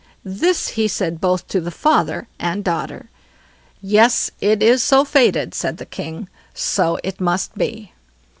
This he said both to the father and daughter. "Yes; it is so fated", said the king; "so it must be."